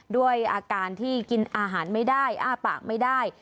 ด้วยอาการที่กินอาหารไม่ได้อ้าปากไม่ได้